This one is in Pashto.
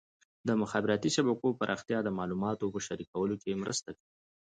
د مخابراتي شبکو پراختیا د معلوماتو په شریکولو کې مرسته کوي.